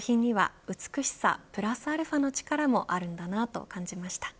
化粧品には、美しさプラスαの力もあるんだなと感じました。